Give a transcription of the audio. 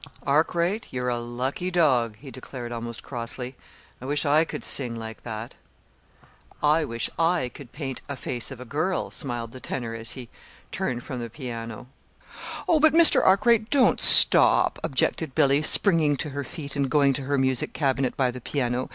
"Arkwright, you're a lucky dog," he declared almost crossly. "I wish I could sing like that!" "I wish I could paint a 'Face of a Girl,'" smiled the tenor as he turned from the piano. "Oh, but, Mr. Arkwright, don't stop," objected Billy, springing to her feet and going to her music cabinet by the piano.